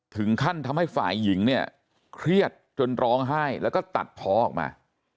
ถึงขั้นทำให้ฝ่ายหญิงเนี่ยเครียดจนร้องไห้แล้วก็ตัดเพาะออกมา